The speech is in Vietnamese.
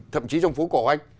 thậm chí trong phố cổ anh